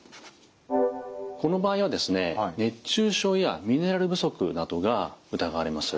この場合はですね熱中症やミネラル不足などが疑われます。